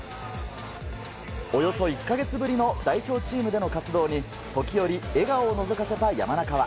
およそ１か月ぶりの代表チームでの活動に時折、笑顔をのぞかせた山中は。